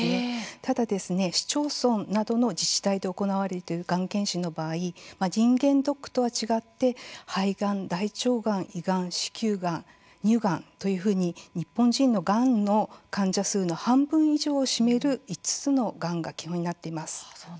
ただ市町村などの自治体で行われている簡易検診の場合人間ドックとは違って肺がん、大腸がん、胃がん子宮がん、乳がんというふうに日本人のがんの患者数の半分以上を占める５つのがんが基本になっています。